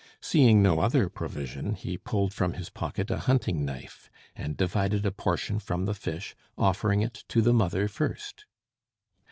Seeing no other provision, he pulled from his pocket a hunting knife, and divided a portion from the fish, offering it to the mother first.